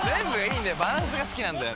バランスが好きなんだよ。